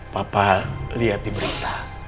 papa lihat di berita